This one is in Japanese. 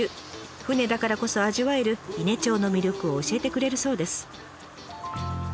船だからこそ味わえる伊根町の魅力を教えてくれるそうです。